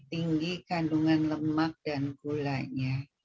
tinggi kandungan lemak dan gulanya